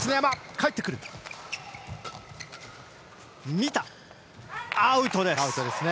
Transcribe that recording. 見た、アウトです。